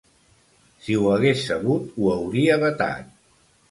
Si ho hagués sabut, ho hauria vetat.